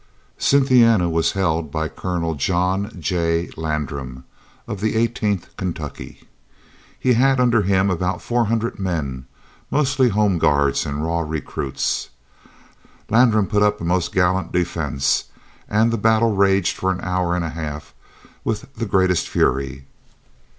Cynthiana was held by Colonel John J. Landram of the Eighteenth Kentucky. He had under him about four hundred men, mostly Home Guards and raw recruits. Landram put up a most gallant defence, and the battle raged for an hour and a half with the greatest fury.